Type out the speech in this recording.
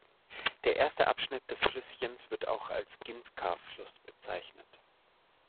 Der erste Abschnitt des Flüsschens wird auch als Ginska-Fluss bezeichnet.